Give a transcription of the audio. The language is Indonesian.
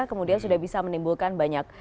kemudian sudah bisa menimbulkan banyak